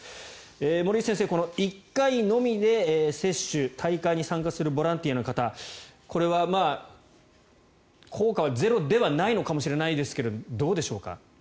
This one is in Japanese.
森内先生、１回のみの接種で大会に参加するボランティアの方これは効果はゼロではないのかもしれないですがどうでしょうか？